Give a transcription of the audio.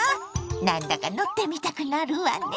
なんだか乗ってみたくなるわね。